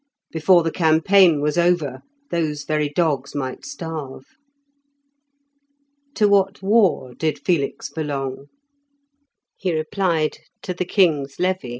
Before the campaign was over, those very dogs might starve. To what "war" did Felix belong? He replied to the king's levy.